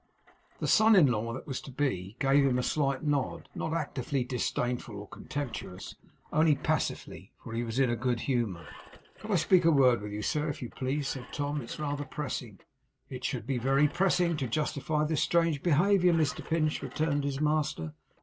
The son in law that was to be gave him a slight nod not actively disdainful or contemptuous, only passively; for he was in a good humour. 'Could I speak a word with you, sir, if you please?' said Tom. 'It's rather pressing.' 'It should be very pressing to justify this strange behaviour, Mr Pinch,' returned his master.